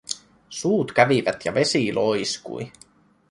Suut kävivät ja vesi loiskui.